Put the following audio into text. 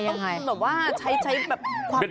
ต้องเป็นแบบว่าใช้แบบ